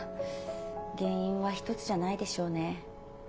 原因は１つじゃないでしょうね。